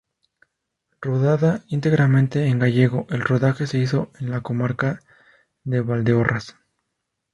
Rodada íntegramente en gallego, el rodaje se hizo en la comarca de Valdeorras.